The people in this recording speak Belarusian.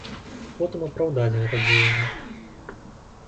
І потым апраўдаць гэта дзеянне.